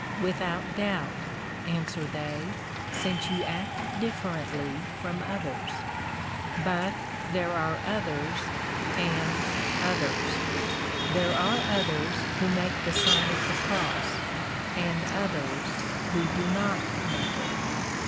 "Without doubt," answer they, "since you act differently from others." But there are others and others. There are others who make the Sign of the Cross ; and others who do not make it.